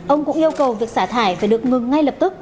ông cũng yêu cầu việc xả thải phải được ngừng ngay lập tức